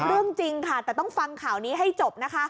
เรื่องจริงค่ะแต่ต้องฟังข่าวนี้ให้จบนะคะ